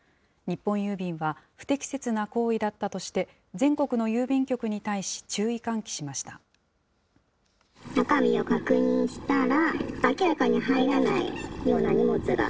日本郵便は、不適切な行為だったとして、全国の郵便局に対し、注意喚起しました。